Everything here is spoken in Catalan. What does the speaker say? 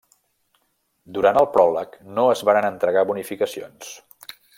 Durant el pròleg no es varen entregar bonificacions.